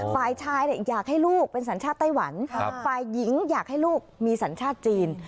ฝ่ายชายอยากให้ลูกเป็นสัญชาติไต้หวันฝ่ายหญิงอยากให้ลูกมีสัญชาติจีน